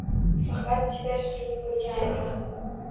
Faqat chidash qiyin bo'lgan ayriliq.